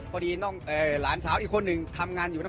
พอดีน้องหลานสาวอีกคนหนึ่งทำงานอยู่